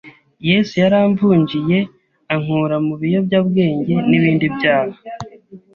Yesu yaramvunjiye, ankura mu biyobyabwenge n’ibindi byaha